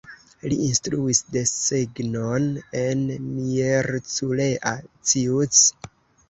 Li instruis desegnon en Miercurea Ciuc.